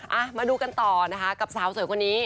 เอาเมื่อดูกันต่อด้วยนะคะสาวสวยกว่านี้